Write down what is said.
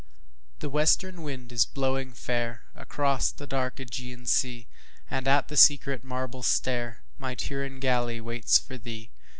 THE WESTERN wind is blowing fairAcross the dark Ægean sea, And at the secret marble stairMy Tyrian galley waits for thee.